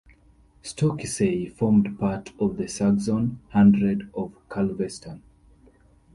Stokesay formed part of the Saxon hundred of Culvestan.